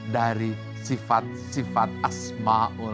dari sifat sifat asma'ul